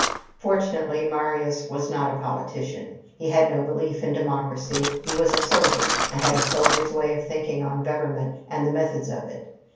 Fortunately, Marius was not a politician. He had no belief in democracy. He was a soldier, and had a soldier's way of thinking on government and the methods of it.